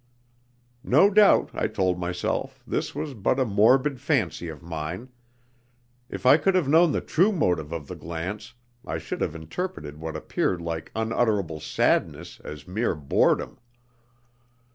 No doubt, I told myself, this was but a morbid fancy of mine. If I could have known the true motive of the glance I should have interpreted what appeared like unutterable sadness as mere boredom.